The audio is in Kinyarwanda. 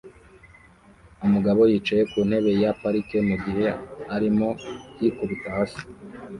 Umugabo yicaye ku ntebe ya parike mu gihe arimo yikubita hasi